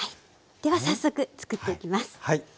では早速作っていきます。